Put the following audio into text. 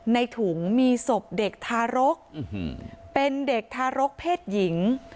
ในถุงมีศพเด็กทารกเป็นเด็กทารกเพศหญิง